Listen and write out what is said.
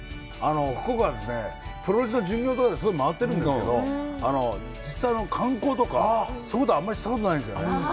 福岡はですね、プロレスの巡業とかで回ってるんですけど、実際の観光とか、そういうことはあんまりしたことがないんですよね。